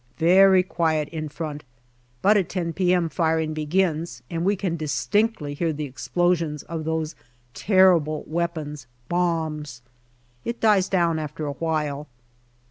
Very quiet in front, but at 10 p.m. firing begins, and we can distinctly hear the explosions of those terrible weapons bombs. It dies down after a while.